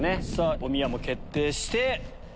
さぁおみやも決定して。